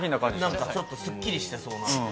何かちょっとすっきりしてそうな。